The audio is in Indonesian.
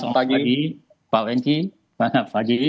selamat pagi pak wengki